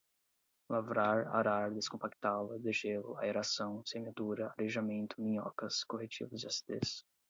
lavrar, arar, descompactá-la, degelo, aeração, semeadura, arejamento, minhocas, corretivos de acidez